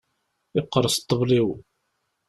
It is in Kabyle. Yeqqerṣ ṭṭbel-iw.